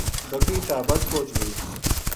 بکری تابٹ پوہچ گئی